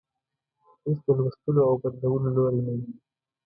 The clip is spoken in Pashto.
هیڅ د لوستلو او بدلولو لوری نه ويني.